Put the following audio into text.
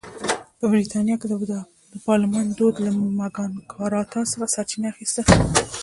په برېټانیا کې د پارلمان دود له مګناکارتا څخه سرچینه اخیسته.